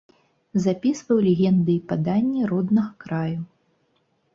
Запісваў легенды і паданні роднага краю.